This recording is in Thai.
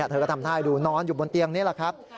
เธอก็ทำท่าให้ดูนอนอยู่บนเตียงนี่แหละครับ